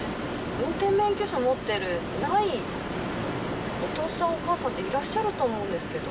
運転免許証持ってないお父さんお母さんっていらっしゃると思うんですけど。